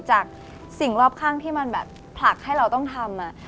จากสิ่งรอบข้างที่มันแบบผลักให้เราต้องทำ